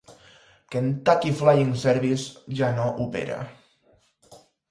Kentucky Flying Service ja no opera.